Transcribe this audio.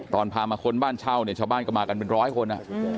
ตอนพามาค้นบ้านเช่าเนี่ยชาวบ้านก็มากันเป็นร้อยคน